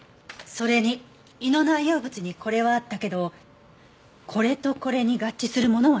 それに胃の内容物にこれはあったけどこれとこれに合致するものはなかった。